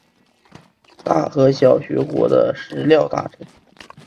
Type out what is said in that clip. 大和小学国的食料大臣。